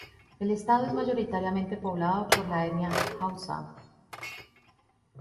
El estado es mayoritariamente poblado por la etnia hausa.